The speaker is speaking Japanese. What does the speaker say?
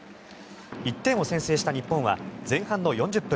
１点を先制した日本は前半の４０分。